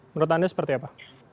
menurut anda seperti apa